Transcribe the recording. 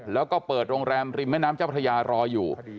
แล้วก็เปิดโรงแรมริมแม่น้ำเจ้าพระยารออยู่